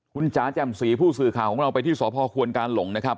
คุณจ๋าแจ่มสีผู้สื่อข่าวของเราไปที่สพควนกาหลงนะครับ